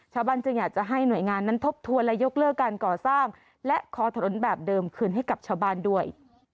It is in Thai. จึงอยากจะให้หน่วยงานนั้นทบทวนและยกเลิกการก่อสร้างและคอถนนแบบเดิมคืนให้กับชาวบ้านด้วย